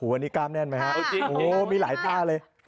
อันนี้กล้ามแน่นไหมครับโอ้โฮมีหลายท่าเลย